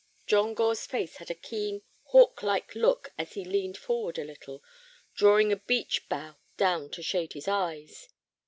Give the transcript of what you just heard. John Gore's face had a keen, hawk like look as he leaned forward a little, drawing a beech bough down to shade his eyes.